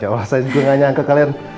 ya allah saya juga gak nyangka kalian